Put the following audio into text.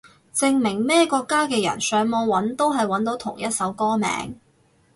證明咩國家嘅人上網搵都係搵到同一首歌名